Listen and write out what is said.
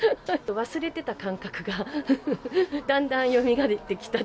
忘れてた感覚がだんだんよみがえってきた。